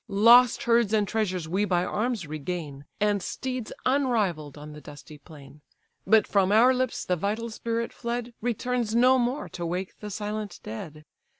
Lost herds and treasures we by arms regain, And steeds unrivall'd on the dusty plain: But from our lips the vital spirit fled, Returns no more to wake the silent dead.